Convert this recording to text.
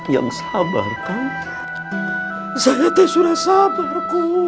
yang sabarkan saya sudah sabarku